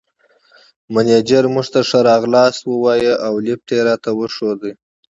مېنېجر موږ ته ښه راغلاست ووایه او لېفټ یې راته وښود.